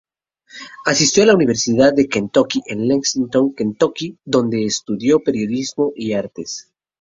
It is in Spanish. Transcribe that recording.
Asistió a la Universidad de Kentucky en Lexington, Kentucky, donde estudió periodismo y artes.